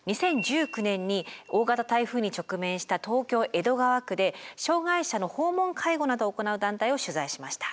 ２０１９年に大型台風に直面した東京・江戸川区で障害者の訪問介護などを行う団体を取材しました。